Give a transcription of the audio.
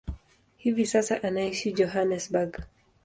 Hivi sasa anaishi Johannesburg.